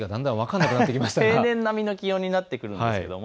平年並みの気温になってくるんですけれども。